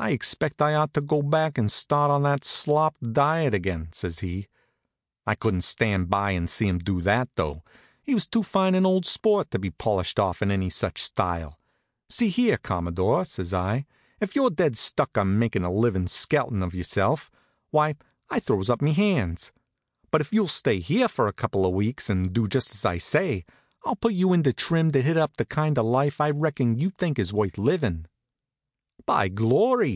"I expect I ought to go back and start in on that slop diet again," says he. I couldn't stand by and see him do that, though. He was too fine an old sport to be polished off in any such style. "See here, Commodore," says I, "if you're dead stuck on makin' a livin' skeleton of yourself, why, I throws up me hands. But if you'll stay here for a couple of weeks and do just as I say, I'll put you in trim to hit up the kind of life I reckon you think is worth livin'. "By glory!"